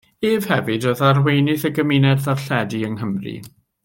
Ef hefyd oedd arweinydd y gymuned ddarlledu yng Nghymru.